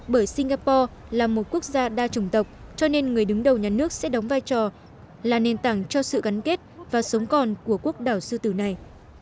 bởi singapore là một quốc gia đa trùng tộc cho nên người đứng đầu nhà nước sẽ đóng vai trò là nền tảng cho sự gắn kết và sống còn của quốc đảo sư tử này